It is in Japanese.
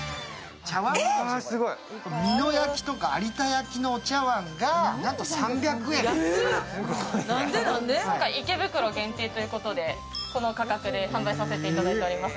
茶わん見てよ、美濃焼とか有田焼のお茶わんが今回、池袋限定ということで、この価格で販売させていただいております。